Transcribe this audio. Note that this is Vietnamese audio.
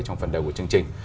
trong phần đầu của chương trình